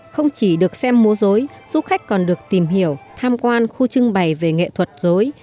không chỉ được xem múa dối du khách còn được tìm hiểu tham quan khu trưng bày về nghệ thuật dối